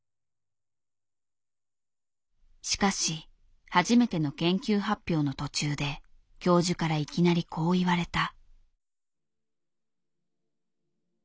しかし初めての研究発表の途中で教授からいきなりこう言われた。